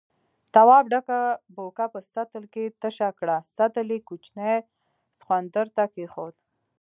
تواب ډکه بوکه په سطل کې تشه کړه، سطل يې کوچني سخوندر ته کېښود.